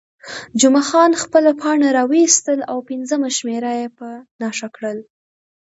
جمعه خان خپله پاڼه راویستل او پنځمه شمېره یې په نښه کړل.